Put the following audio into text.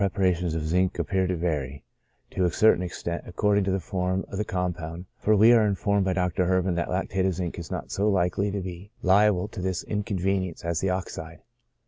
85 parations of zinc appears to vary, to a certain extent, ac cording to the form of the compound, for we are informed by Dr. Herpin that lactate of zinc is not so likely to be liable to this inconvenience as the oxide.